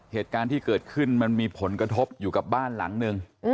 เหตุการณ์ที่เกิดขึ้นมันมีผลกระทบอยู่กับบ้านหลังนึง